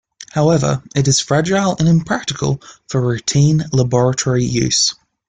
However, it is fragile and impractical for routine laboratory use.